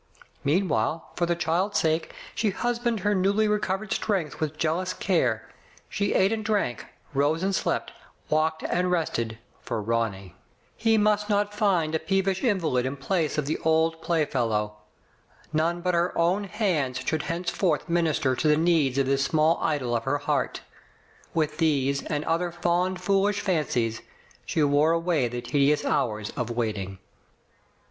Meanwhile, for the child's sake, she husbanded her newly recovered strength with jealous care. She ate and drank, rose and slept, walked and rested, for Ronny. He must not find a peevish invalid in place of the old play fellow. None but her own hands should hence forth minister to the needs of this small idol of her heart. With these and other fond foolish 233 Digitized by Google CLO. GRAVES, 233 fancies, she wore away the tedious hours of waiting.